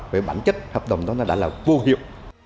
với bản chất hợp đồng đó đã là vô hiệu